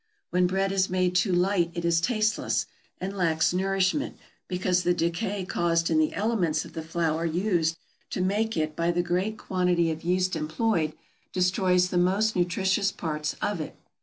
When bread is made too light it is tasteless, and lacks nourishment, because the decay caused in the elements of the flour used to make it by the great quantity of yeast employed, destroys the most nutritious parts of it.